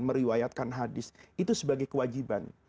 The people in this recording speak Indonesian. meriwayatkan hadis itu sebagai kewajiban